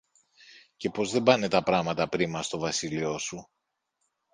και πως δεν πάνε τα πράματα πρίμα στο βασίλειο σου.